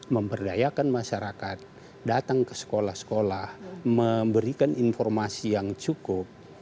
memberdayakan masyarakat datang ke sekolah sekolah memberikan informasi yang cukup